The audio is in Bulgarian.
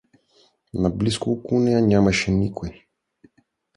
Наблизо около нея нямаше никой.